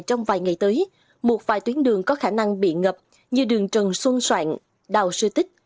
trong vài ngày tới một vài tuyến đường có khả năng bị ngập như đường trần xuân soạn đào sư tích